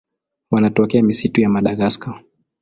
Wanatokea misitu ya Madagaska.